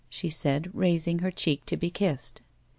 she said, raising her cheek to be kissed.